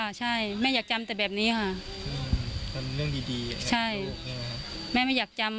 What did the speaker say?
ใช่แม่อยากจำแต่แบบนี้ค่ะทำเรื่องดีดีใช่แม่ไม่อยากจำ